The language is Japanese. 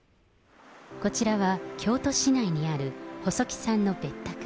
こちらは京都市内にある細木さんの別宅。